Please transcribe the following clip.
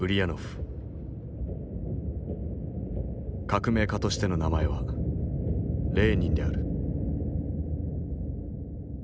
革命家としての名前はレーニンである。